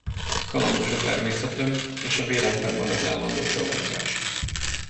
Kalandos a természetem, és a véremben van az állandó csavargás.